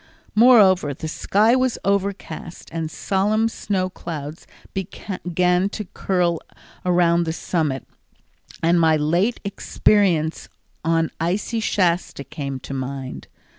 Moreover, the sky was overcast and solemn snow clouds began to curl around the summit, and my late experiences on icy Shasta came to mind.